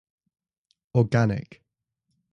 Organic.